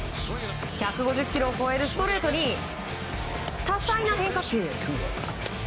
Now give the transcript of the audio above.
１５０キロを超えるストレートに多彩な変化球。